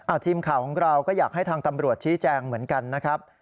ทีมข่าวของเราก็อยากให้ทางตำรวจชี้แจงเหมือนกันนะครับ